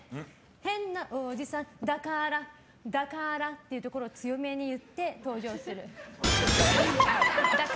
変なおじさん「だから」っていうところを強めに言って登場する。